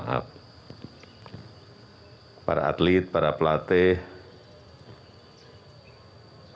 kemana klm errecord berdoaongo